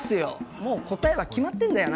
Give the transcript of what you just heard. もう答えは決まってんだよな。